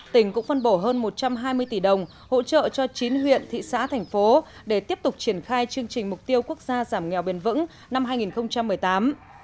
tỉnh cũng phân bổ hơn một trăm hai mươi tỷ đồng hỗ trợ cho chín huyện thị xã thành phố để tiếp tục triển khai chương trình mục tiêu quốc gia giảm nghèo bền vững năm hai nghìn một mươi tám